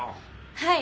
はい。